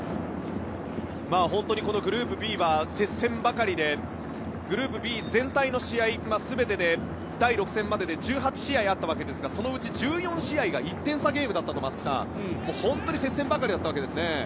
本当にグループＢは接戦ばかりでグループＢ全体の試合、全てで第６戦までで１８試合あったわけですがそのうち１４試合が１点差ゲームだったと松木さん、本当に接戦ばかりだったわけですね。